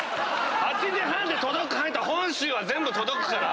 ８時半で届く範囲っていったら本州は全部届くから。